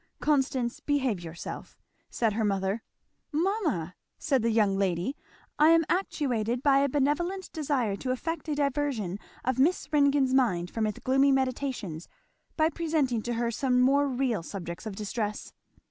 "Constance, behave yourself," said her mother. "Mamma!" said the young lady, "I am actuated by a benevolent desire to effect a diversion of Miss Ringgan's mind from its gloomy meditations, by presenting to her some more real subjects of distress."